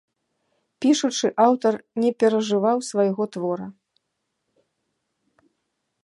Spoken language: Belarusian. Пішучы, аўтар не перажываў свайго твора.